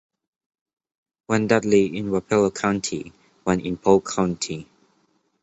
One Dudley in Wapello County, one in Polk County.